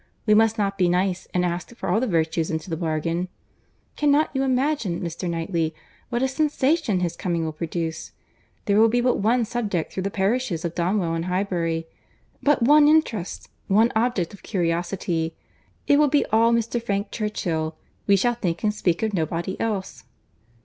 We must not be nice and ask for all the virtues into the bargain. Cannot you imagine, Mr. Knightley, what a sensation his coming will produce? There will be but one subject throughout the parishes of Donwell and Highbury; but one interest—one object of curiosity; it will be all Mr. Frank Churchill; we shall think and speak of nobody else."